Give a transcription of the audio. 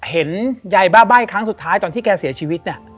เห็นยายบ้าใบ้ครั้งสุดท้ายตอนที่แกเสียชีวิตเนี่ย